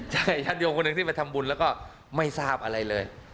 ใช่ญาติโยมคนหนึ่งที่มาทำบุญแล้วก็ไม่ทราบอะไรเลย